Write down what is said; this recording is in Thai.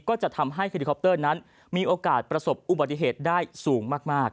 ก็จะทำให้เฮลิคอปเตอร์นั้นมีโอกาสประสบอุบัติเหตุได้สูงมาก